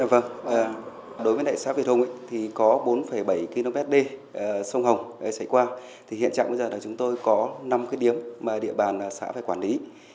vâng đối với đại xã việt hùng thì có bốn bảy kmd sông hồng xảy qua hiện trạng bây giờ là chúng tôi có năm cái điếm mà địa bàn xã phải quản lý